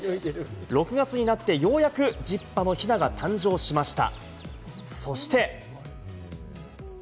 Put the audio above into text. ６月になってようやく１０羽のヒナが誕生しました。